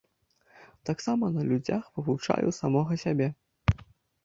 Таксама на людзях вывучаю самога сябе.